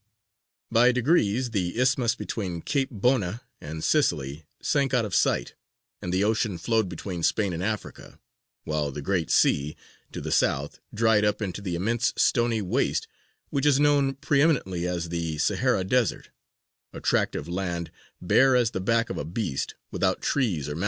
By degrees the Isthmus between Cape Bona and Sicily sank out of sight, and the ocean flowed between Spain and Africa, while the great sea to the south dried up into the immense stony waste which is known preëminently as the Sahra, the Desert, "a tract of land, bare as the back of a beast, without trees or mountains."